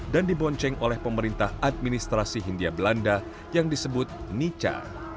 dan dibonceng oleh pemerintah administrasi hindia belanda yang disebut nica